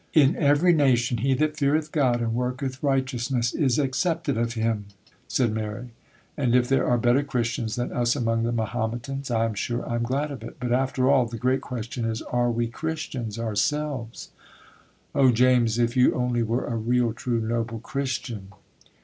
'In every nation, he that feareth God and worketh righteousness is accepted of Him,' said Mary; 'and if there are better Christians than us among the Mahometans, I am sure I am glad of it. But, after all, the great question is, "Are we Christians ourselves?" Oh, James, if you only were a real, true, noble Christian!